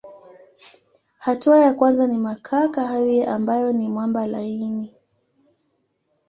Hatua ya kwanza ni makaa kahawia ambayo ni mwamba laini.